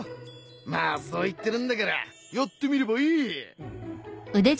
まあそう言ってるんだからやってみればいい。